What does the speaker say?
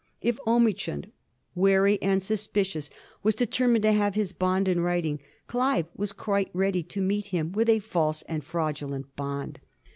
If Omiichund, wary and suspicious, was deter mined to have his bond in writing, Clive was quite ready to meet him with a false and fraudulent bond.